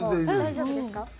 大丈夫ですか？